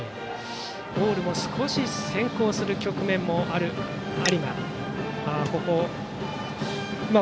ボールも少し先行する局面もある有馬。